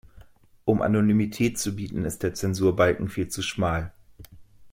Um Anonymität zu bieten, ist der Zensurbalken viel zu schmal.